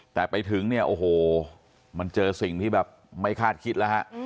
แต่ไปถึงเนี่ยโอ้โหมันเจอสิ่งที่แบบไม่คาดคิดแล้วฮะ